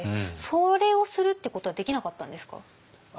それをするってことはできなかったんですか？